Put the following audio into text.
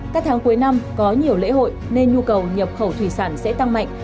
các tháng cuối năm có nhiều lễ hội nên nhu cầu nhập khẩu thủy sản sẽ tăng mạnh